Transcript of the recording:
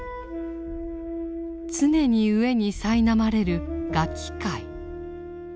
常に飢えにさいなまれる餓鬼界。